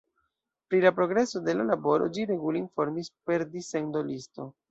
Pri la progreso de la laboro ĝi regule informis per dissendo-listo.